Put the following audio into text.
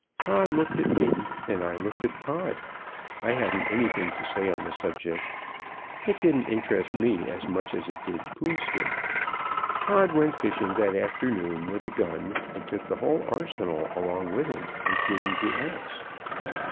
Pod looked at me and I looked at Pod; I hadn't anything to say on the subject; it didn't interest me as much as it did Coonskin. Pod went fishing that afternoon with a gun, and took the whole arsenal along with him, including the axe.